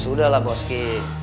sudahlah bos ki